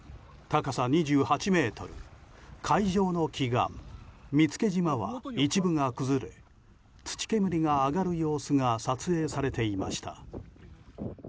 高さ２８ｍ、海上の奇岩見附島は一部が崩れ、土煙が上がる様子が撮影されていました。